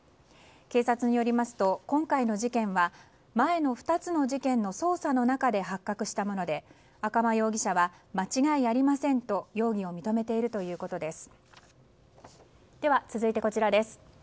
警察によりますと今回の事件は前の２つの事件の捜査の中で発覚したもので赤間容疑者は間違いありませんと容疑を認めているということです。